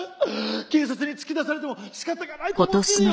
警察に突き出されてもしかたがないと思ってるよ。